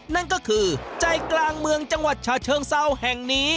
พังเลยครับ